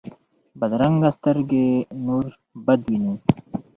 بدرنګه سترګې نور بد ویني